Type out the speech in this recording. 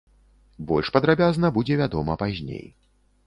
Больш падрабязна будзе вядома пазней.